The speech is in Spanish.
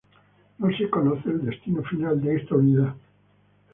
No se conoce el destino final de esta unidad.